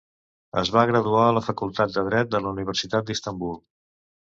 Es va graduar a la facultat de Dret de la Universitat d'Istanbul.